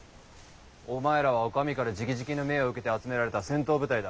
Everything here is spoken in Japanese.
お前らはお上からじきじきの命を受けて集められた戦闘部隊だ。